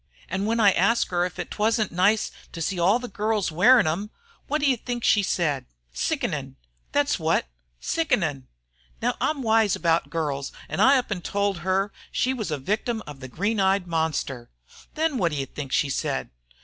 An' when I asked her if 't wasn't nice to see all the girls a wearin' 'em wot you think she said? 'Sickenin',' thet's wot, 'sickenin'!' Now, I'm wise 'bout girls, an' I up an' tol' her she was a victim of the green eyed monster. Then wot you think she said?